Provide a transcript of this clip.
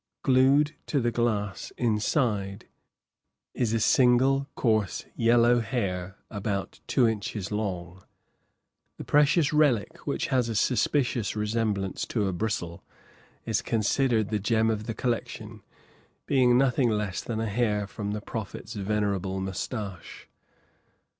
Glued to the glass, inside, is a single coarse yellow hair about two inches long; the precious relic, which has a suspicious resemblance to a bristle, is considered the gem of the collection, being nothing less than a hair from the Prophet's venerable mustache.